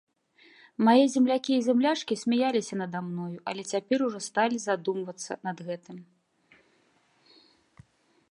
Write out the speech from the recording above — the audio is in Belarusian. Мае землякі і зямлячкі смяяліся нада мною, але цяпер ужо сталі задумвацца над гэтым.